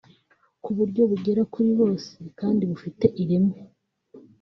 ku buryo bugera kuri bose kandi bufite ireme